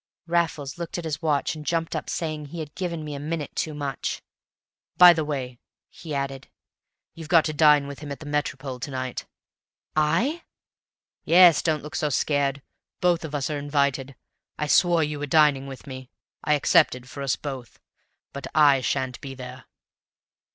Raffles looked at his watch and jumped up saying he had given me a minute too much. "By the way," he added, "you've got to dine with him at the Métropole to night!" "I?" "Yes; don't look so scared. Both of us are invited I swore you were dining with me. I accepted for us both; but I sha'n't be there."